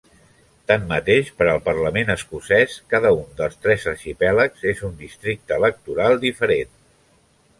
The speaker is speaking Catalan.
Tanmateix, per al Parlament escocès, cada un dels tres arxipèlags és un districte electoral diferent.